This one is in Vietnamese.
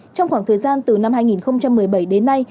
trong khoảng thời gian từ năm hai nghìn một mươi bảy đến nay